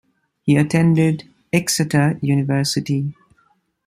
He attended Exeter University.